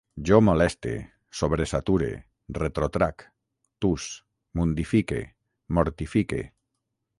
Jo moleste, sobresature, retrotrac, tus, mundifique, mortifique